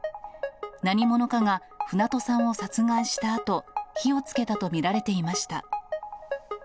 何者かが船戸さんを殺害したあと、火をつけたと見られていました。